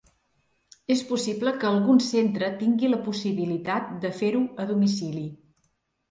És possible que algun centre tingui la possibilitat de fer-ho a domicili.